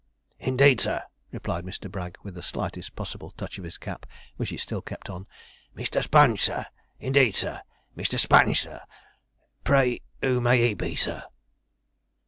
'Indeed, sir!' replied Mr. Bragg, with the slightest possible touch of his cap, which he still kept on. 'Mr. Sponge, sir! indeed, sir Mr. Sponge, sir pray who may he be, sir?'